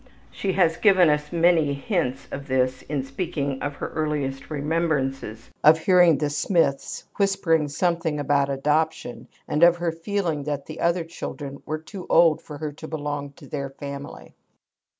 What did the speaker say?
She has given us many hints of this in speaking of her earliest remembrances of hearing the Smiths whispering something about adoption, and of her feeling that the other children were too old for her to belong to their family.